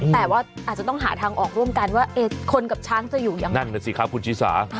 แต่ว่าอาจจะต้องหาทางออกร่วมกันว่าคนกับช้างจะอยู่ยังไงนั่นน่ะสิครับคุณชีสา